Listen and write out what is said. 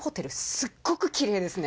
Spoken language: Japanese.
すっごくキレイですね。